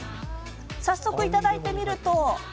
早速、いただいてみると。